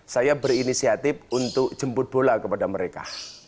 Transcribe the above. saya berinisiatif untuk jemput bola kepada mereka